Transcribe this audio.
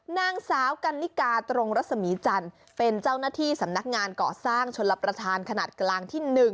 นางสาวกันนิกาตรงรัศมีจันทร์เป็นเจ้าหน้าที่สำนักงานเกาะสร้างชนรับประทานขนาดกลางที่๑